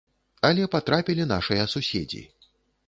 Але патрапілі нашыя суседзі.